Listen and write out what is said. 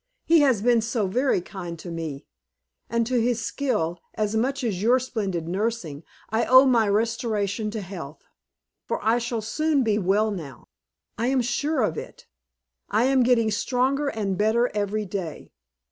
He has been so very kind to me; and to his skill, as much as your splendid nursing, I owe my restoration to health. For I shall soon be well now; I am sure of it. I am getting stronger and better every day.